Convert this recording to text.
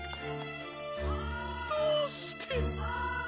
どうして。